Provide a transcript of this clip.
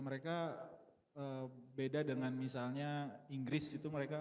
mereka beda dengan misalnya inggris itu mereka